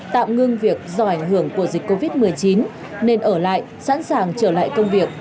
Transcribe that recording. tạm ngưng việc do ảnh hưởng của dịch covid một mươi chín nên ở lại sẵn sàng trở lại công việc